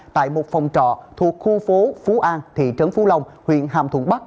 tại một phòng trọ thuộc khu phố phú an thị trấn phú long huyện hàm thuận bắc